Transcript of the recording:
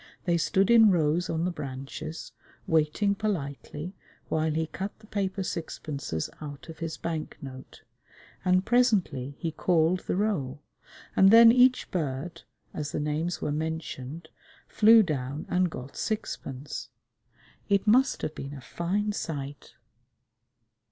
They stood in rows on the branches, waiting politely while he cut the paper sixpences out of his bank note, and presently he called the roll, and then each bird, as the names were mentioned, flew down and got sixpence. It must have been a fine sight.